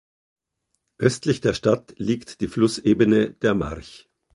Östlich der Stadt liegt die Flussebene der March.